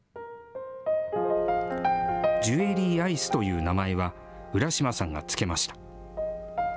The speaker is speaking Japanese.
ジュエリーアイスという名前は、浦島さんが付けました。